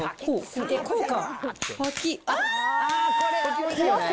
こうか。